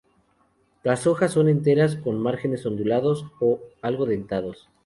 Las hojas son enteras, con márgenes ondulados o algo dentados.